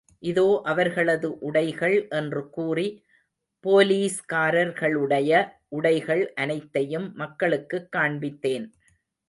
இதோ அவர்களது உடைகள் என்று கூறி, போலீஸ்காரர்களுடைய உடைகள் அனைத்தையும் மக்களுக்குக் காண்பித்தேன்.